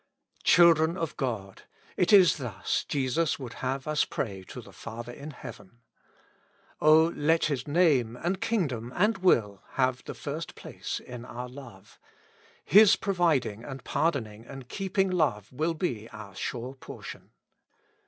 Children of God ! it is thus Jesus would have us to pray to the Father in heaven. O let His Name, and Kingdom, and Will, have the first place in our love ; His providing, and pardoning, and keeping love will be our sure portion.